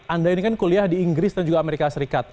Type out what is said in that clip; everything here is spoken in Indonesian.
anda ini kan kuliah di inggris dan juga amerika serikat